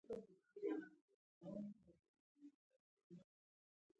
د انسان د جمعي ژوندانه لپاره به د اسلام هیلې ورژېږي.